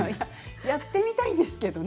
やってみたいんですけどね。